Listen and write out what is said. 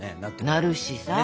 なるしさ。